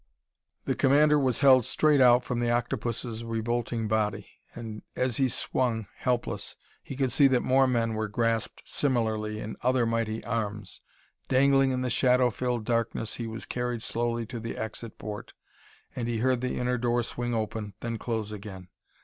The commander was held straight out from the octopus' revolting body, and as he swung, helpless, he could see that more men were grasped similarly in other mighty arms. Dangling in the shadow filled darkness he was carried slowly to the exit port, and he heard the inner door swing open, then close again.